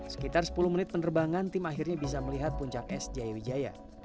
sekitar sepuluh menit penerbangan tim akhirnya bisa melihat puncak es jaya wijaya